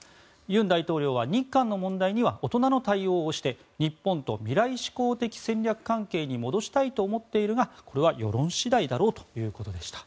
尹大統領は日韓の問題には大人の対応をして日本と未来志向的戦略関係に戻したいと思っているがこれは世論次第だろうということでした。